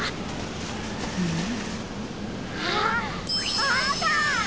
あっあった。